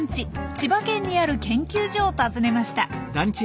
千葉県にある研究所を訪ねました。